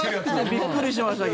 びっくりしましたけど。